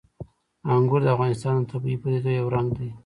انګور د افغانستان د طبیعي پدیدو یو رنګ دی.